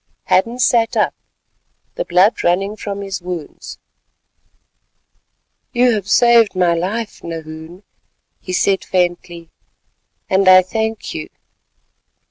Hadden sat up, the blood running from his wounds. "You have saved my life, Nahoon," he said faintly, "and I thank you."